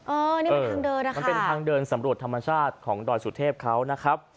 อันนี้เป็นทางเดินนะคะมันเป็นทางเดินสำรวจธรรมชาติของดอยสุเทพเขานะครับ